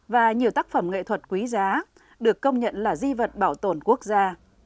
và nhiều tác phẩm nghệ thuật quý giá được công nhận là di vật bảo tồn quốc gia